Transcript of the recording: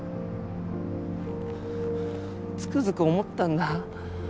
つくづく思ったんだ。